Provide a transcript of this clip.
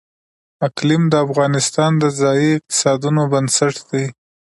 اقلیم د افغانستان د ځایي اقتصادونو بنسټ دی.